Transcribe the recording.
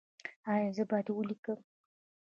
ایا زه باید ولیکم؟